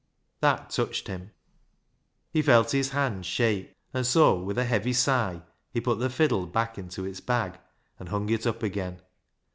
That touched him. He felt his hand shake, and so, with a heavy sigh, he put the fiddle back into its bag and hung it up again.